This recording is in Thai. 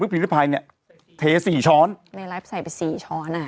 พิริภัยเนี้ยเทสี่ช้อนในไลฟ์ใส่ไปสี่ช้อนอ่ะ